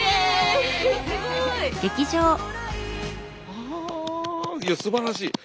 はあいやすばらしい。